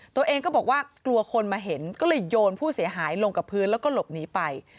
ตัวเองก็บอกว่ากลัวคนมาเห็นก็เลยโยนผู้เสียหายลงกับพื้นแล้วก็หลบหนีไป